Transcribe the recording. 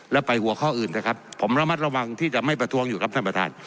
แล้วไปหัวข้ออื่นเถอะครับผมระมัดระวังที่จะไม่ประท้วงอยู่ครับท่านประธาน